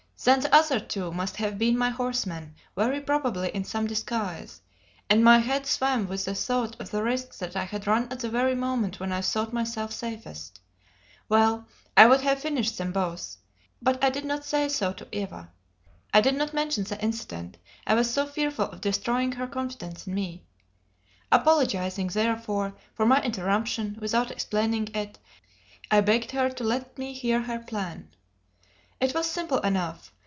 Then the other two must have been my horse men, very probably in some disguise; and my head swam with the thought of the risk that I had run at the very moment when I thought myself safest. Well, I would have finished them both! But I did not say so to Eva. I did not mention the incident, I was so fearful of destroying her confidence in me. Apologizing, therefore, for my interruption, without explaining it, I begged her to let me hear her plan. It was simple enough.